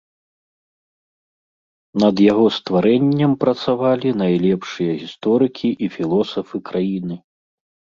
Над яго стварэннем працавалі найлепшыя гісторыкі і філосафы краіны.